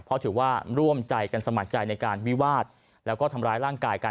เพราะถือว่าร่วมใจกันสมัครใจในการวิวาดแล้วก็ทำร้ายร่างกายกัน